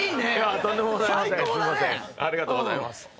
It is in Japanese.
ありがとうございます。